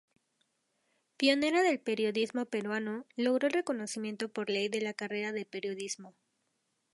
Pionera del periodismo peruano, logró el reconocimiento -por ley- de la carrera de periodismo.